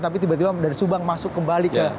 tapi tiba tiba dari subang masuk kembali ke